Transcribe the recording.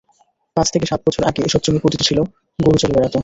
পাঁচ থেকে সাত বছর আগে এসব জমি পতিত ছিল, গরু চরে বেড়াত।